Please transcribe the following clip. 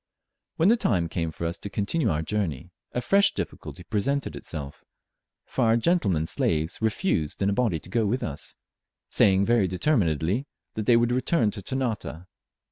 When the time came for us to continue our journey, a fresh difficulty presented itself, for our gentlemen slaves refused in a body to go with us; saying very determinedly that they would return to Ternate.